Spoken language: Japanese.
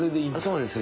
そうです。